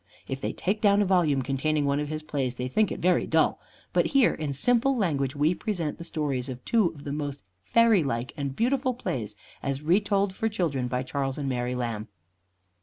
If they take down a volume containing one of his plays, they think it very dull, but here in simple language we present the stories of two of the most fairy like and beautiful plays, as retold for children by Charles and Mary Lamb.